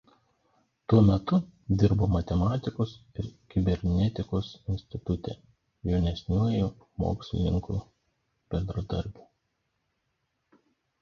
Tuo metu dirbo Matematikos ir kibernetikos institute jaunesniuoju moksliniu bendradarbiu.